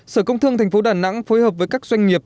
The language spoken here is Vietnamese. sở công thương tp đà nẵng phối hợp với các doanh nghiệp